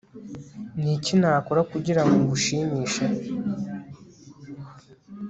Niki Nakora kugirango ngushimishe